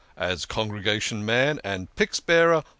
As Congregation man and Pyx bearer .